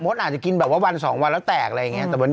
อาจจะกินแบบว่าวันสองวันแล้วแตกอะไรอย่างนี้